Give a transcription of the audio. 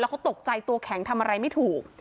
เขาตกใจตัวแข็งทำอะไรไม่ถูก